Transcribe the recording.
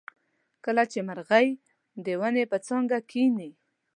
کله چې مرغۍ د ونې په څانګه کیني.